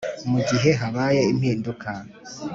Mu gihe habaye impinduka